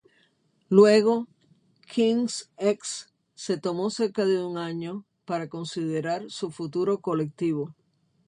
Luego, "King's X" se tomó cerca de un año, para considerar su futuro colectivo.